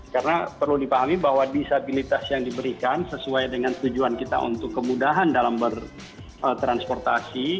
karena perlu dipahami bahwa disabilitas yang diberikan sesuai dengan tujuan kita untuk kemudahan dalam bertransportasi